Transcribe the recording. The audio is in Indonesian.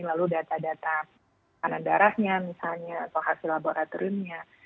lalu data data kanan darahnya misalnya atau hasil laboratoriumnya